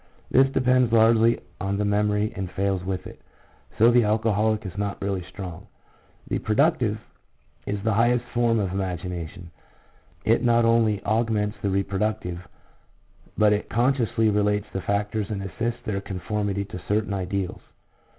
This depends largely on the memory and fails with it, so in the alcoholic is not really strong. The productive is the highest form of imagination ; it not only augments the reproductive, but it consciously relates the factors and assists their conformity to certain ideals.